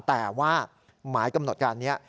แต่ว่าหมายกำหนดการนี้